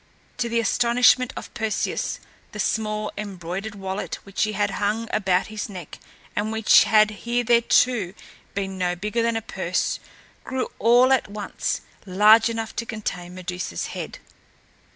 To the astonishment of Perseus, the small, embroidered wallet which he had hung about his neck and which had hitherto been no bigger than a purse, grew all at once large enough to contain Medusa's head.